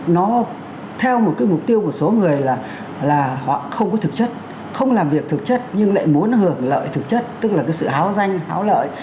nó theo một cái mục tiêu của số người là họ không có thực chất không làm việc thực chất nhưng lại muốn hưởng lợi thực chất tức là cái sự háo danh háo lợi